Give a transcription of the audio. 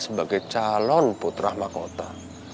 sebagai calon putra mahkota